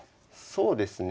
そうですね。